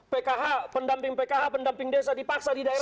pkh pendamping pkh pendamping desa dipaksa di daerah